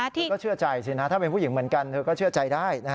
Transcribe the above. เธอก็เชื่อใจสินะถ้าเป็นผู้หญิงเหมือนกันเธอก็เชื่อใจได้